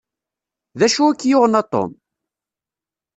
D acu i k-yuɣen a Tom?